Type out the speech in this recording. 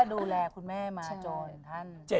ดูแลคุณแม่มาจนท่าน